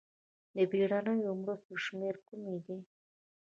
د بېړنیو مرستو شمېرې کومې دي؟